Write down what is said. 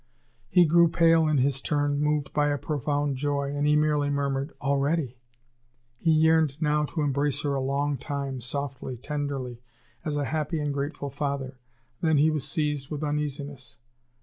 He grew pale in his turn, moved by a profound joy; and he merely murmured: "Already!" He yearned now to embrace her a long time, softly, tenderly, as a happy and grateful father. Then, he was seized with uneasiness.